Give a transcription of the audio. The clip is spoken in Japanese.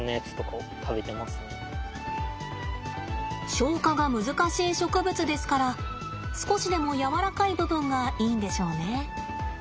消化が難しい植物ですから少しでもやわらかい部分がいいんでしょうね。